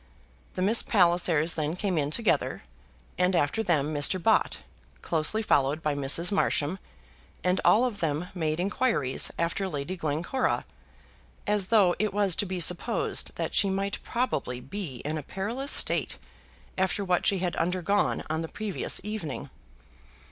The Miss Pallisers then came in together, and after them Mr. Bott, closely followed by Mrs. Marsham, and all of them made inquiries after Lady Glencora, as though it was to be supposed that she might probably be in a perilous state after what she had undergone on the previous evening.